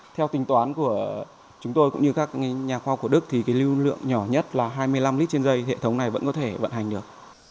theo tính toán của chúng tôi cũng như các nhà khoa học của đức thì lưu lượng nhỏ nhất là hai mươi năm lít trên giây hệ thống này vẫn có thể vận hành được